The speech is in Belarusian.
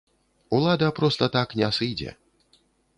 Улада проста так не сыдзе.